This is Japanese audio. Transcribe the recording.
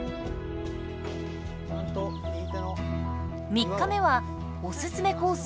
３日目はお薦めコース